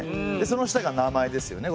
その下が名前ですよね。